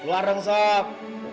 keluar dong sob